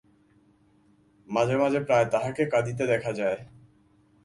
মাঝে মাঝে প্রায় তাঁহাকে কাঁদিতে দেখা যায়।